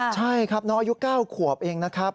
ใช่ครับน้องอายุ๙ขวบเองนะครับ